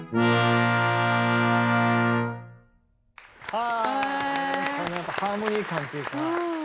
はあハーモニー感っていうか。